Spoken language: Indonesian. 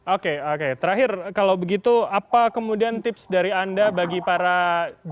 oke oke terakhir kalau begitu apa kemudian tips dari anda bagi para jemaah